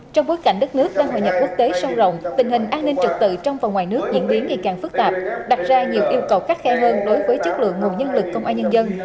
trong bối cảnh đất nước đang hội nhập quốc tế sâu rộng tình hình an ninh trực tự trong và ngoài nước diễn biến ngày càng phức tạp đặt ra nhiều yêu cầu khắt khe hơn đối với chất lượng nguồn nhân lực công an nhân dân